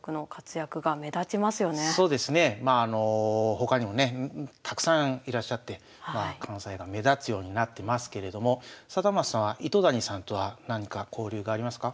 他にもねたくさんいらっしゃって関西が目立つようになってますけれども貞升さんは糸谷さんとは何か交流がありますか？